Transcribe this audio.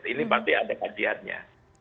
ini berarti ada kajiannya